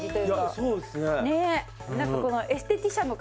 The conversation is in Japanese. そうですね。